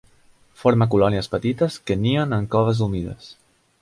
Forma colònies petites que nien en coves humides.